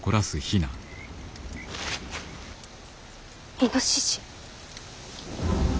イノシシ。